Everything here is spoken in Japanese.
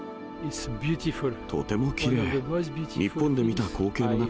とてもきれい。